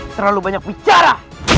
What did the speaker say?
terlalu banyak bicara